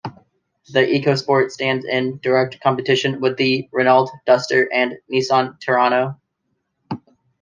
The Ecosport stands in direct competition with the Renault Duster and Nissan Terrano.